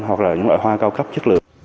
hoặc là những loại hoa cao cấp chất lượng